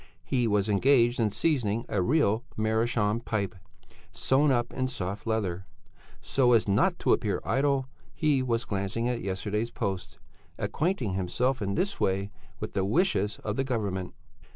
He was engaged in seasoning a real meerschaum pipe, sewn up in soft leather. So as not to appear idle, he was glancing at yesterday's Post, acquainting himself in this way with the wishes of the Government.